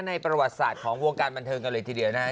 ประวัติศาสตร์ของวงการบันเทิงกันเลยทีเดียวนะครับ